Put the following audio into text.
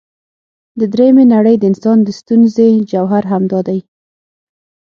د درېمې نړۍ د انسان د ستونزې جوهر همدا دی.